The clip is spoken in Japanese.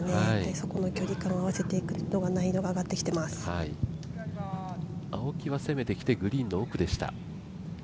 そこの距離感を合わせるのが青木が攻めてきてグリーンの奥でした。